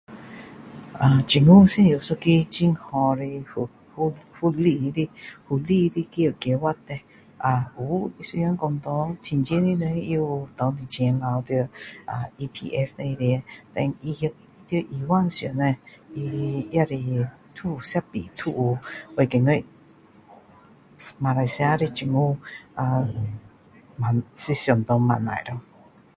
政府有一个很好的福利有虽然说赚钱的人有拿到 EPF 在医院上也是有设备都有我觉得马来西亚的政府呃是相当不错了